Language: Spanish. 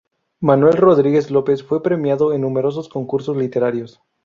Manuel Rodríguez López fue premiado en numerosos concursos literarios.